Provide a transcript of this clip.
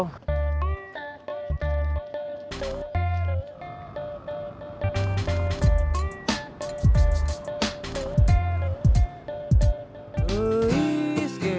hahu mas bro